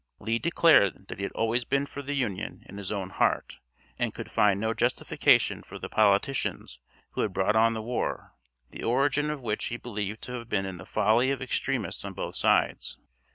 Lee declared that he had always been for the Union in his own heart, and could find no justification for the politicians who had brought on the war, the origin of which he believed to have been in the folly of extremists on both sides.